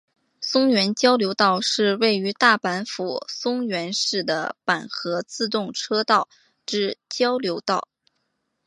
松原交流道是位于大阪府松原市的阪和自动车道之交流道。